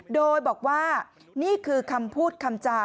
โดยบอกว่านี่คือคำพูดคำจา